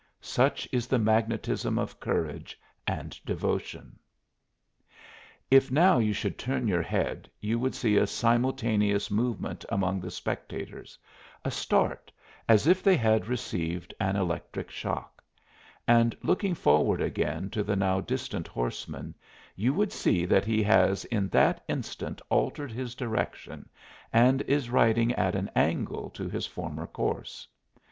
Such is the magnetism of courage and devotion. If now you should turn your head you would see a simultaneous movement among the spectators a start, as if they had received an electric shock and looking forward again to the now distant horseman you would see that he has in that instant altered his direction and is riding at an angle to his former course.